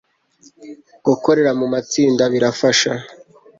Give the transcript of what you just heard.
Gukorera mu matsinda birafasha